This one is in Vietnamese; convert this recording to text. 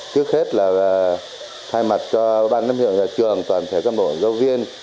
trước hết là thay mặt cho ban giám hiệu nhà trường toàn thể cán bộ giáo viên